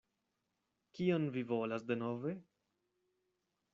Kion vi volas denove?